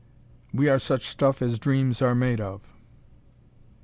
"We are such stuff as dreams are made of...."